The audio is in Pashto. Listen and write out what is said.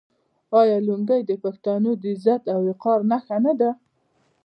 آیا لونګۍ د پښتنو د عزت او وقار نښه نه ده؟